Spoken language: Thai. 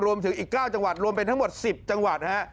รวมถึงอีก๙จังหวัดรวมเป็นทั้งหมด๑๐จังหวัด